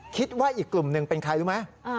คิดว่าอีกกลุ่มหนึ่งเป็นใครรู้ไหม